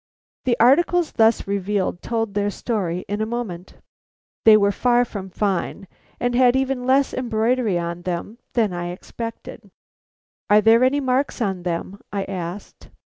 The articles thus revealed told their story in a moment. They were far from fine, and had even less embroidery on them than I expected. "Are there any marks on them?" I asked.